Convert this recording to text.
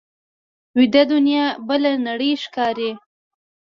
ویده دنیا بله نړۍ ښکاري